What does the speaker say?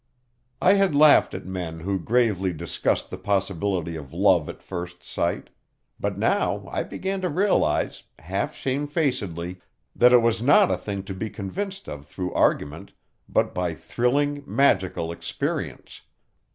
I had laughed at men who gravely discussed the possibility of love at first sight, but now I began to realise, half shamefacedly, that it was not a thing to be convinced of through argument, but by thrilling, magical experience.